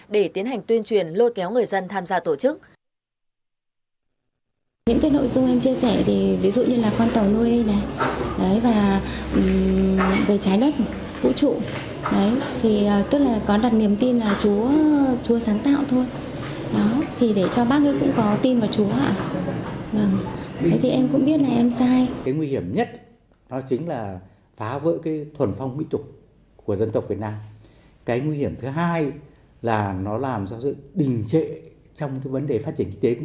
để tiến hành tuyên truyền lôi kéo người dân tham gia tổ chức